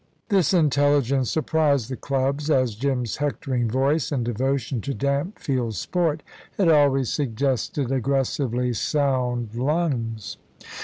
This intelligence surprised the clubs, as Jim's hectoring voice and devotion to damp field sport had always suggested aggressively sound lungs.